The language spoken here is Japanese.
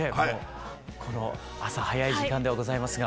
この朝早い時間ではございますが。